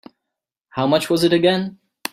How much was it again?